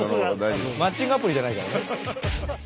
マッチングアプリじゃないから。